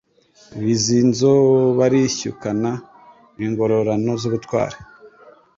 Bizinzo barishyukana Ingororano z’ubutwari